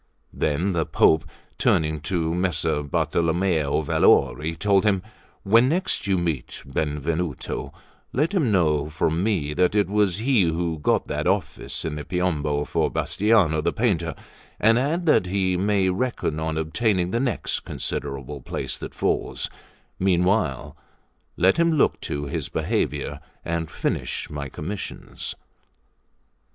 Then the Pope turning to Messer Bartolommeo Valori, told him: "When next you meet Benvenuto, let him know from me that it was he who got that office in the Piombo for Bastiano the painter, and add that he may reckon on obtaining the next considerable place that falls; meanwhile let him look to his behaviour, and finish my commissions."